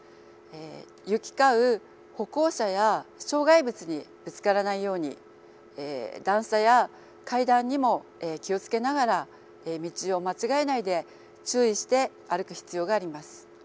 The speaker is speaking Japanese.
行き交う歩行者や障害物にぶつからないように段差や階段にも気を付けながら道を間違えないで注意して歩く必要があります。